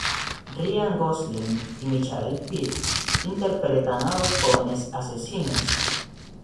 Ryan Gosling y Michael Pitt interpretan a los jóvenes asesinos.